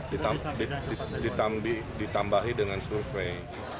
ditambahi dengan survei